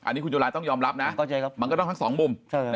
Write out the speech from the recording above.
อันนี้คุณจุลายต้องยอมรับนะก็ใช่ครับมันก็ต้องทั้งสองมุมใช่ครับ